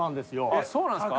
えっそうなんですか？